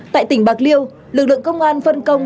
tại tỉnh bạc liêu lực lượng công an phân công